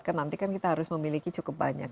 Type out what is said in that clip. karena nanti kan kita harus memiliki cukup banyak